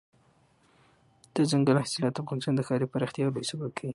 دځنګل حاصلات د افغانستان د ښاري پراختیا یو لوی سبب کېږي.